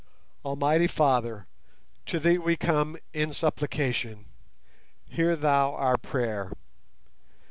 Almighty Father, to Thee we come in supplication. Hear Thou our prayer!